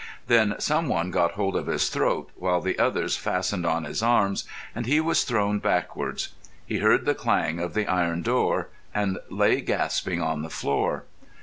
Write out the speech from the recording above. Then someone got hold of his throat, while the others fastened on his arms, and he was thrown backwards. He heard the clang of the iron door and lay gasping on the floor.